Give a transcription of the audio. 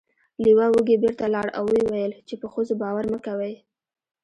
لیوه وږی بیرته لاړ او و یې ویل چې په ښځو باور مه کوئ.